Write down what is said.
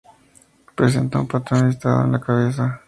Presenta un patrón listado en la cabeza.